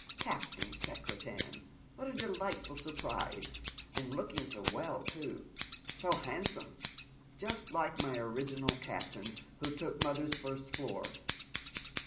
" Captain Secretan ! What a delightful surprise 1 and looking 80 well too, so handsome, just like my original captain, who took mother's first floor."